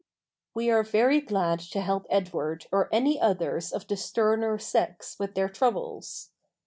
We are very glad to help Edward or any others of the sterner sex with their troubles.